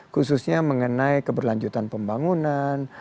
khususnya mengenai keberlanjutan pembangunan